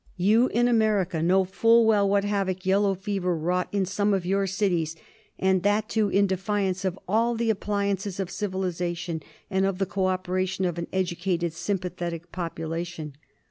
You in America know full well what havoc yellow fever wrought in some of your cities, and that, too, in defiance of all the appli ances of civilisation and of the co operation of an educated sympathetic population.